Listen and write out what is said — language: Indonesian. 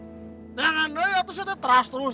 tidak tidak ya tuh saya terus terus